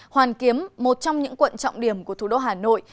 hoàn kiếm một trong những quận trọng điểm của thủ đô hà nội